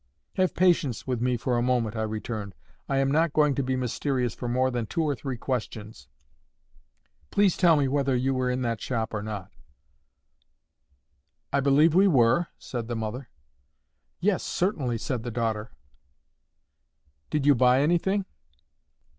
"Have patience with me for a moment," I returned. "I am not going to be mysterious for more than two or three questions. Please tell me whether you were in that shop or not." "I believe we were," said the mother. "Yes, certainly," said the daughter. "Did you buy anything?"